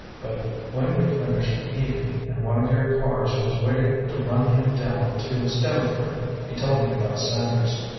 But when we'd finished eating, and one of your cars was waiting to run him down to Stamford, he told me about Sanders.